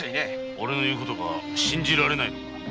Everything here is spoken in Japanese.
おれの言うことが信じられぬのか？